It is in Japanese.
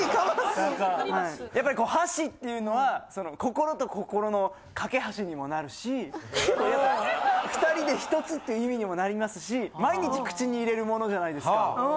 やっぱりこう箸っていうのは心と心の架け橋にもなるし２人で１つって意味にもなりますし毎日口に入れるものじゃないですか。